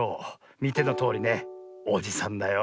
みてのとおりねおじさんだよ。